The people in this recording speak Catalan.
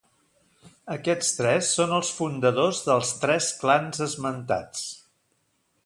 Aquests tres són els fundadors dels tres clans esmentats.